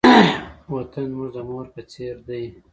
وطن زموږ د مور په څېر دی.